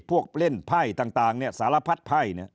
พวกเล่นไพ่ต่างเนี่ยสารพัดไพ่เนี่ย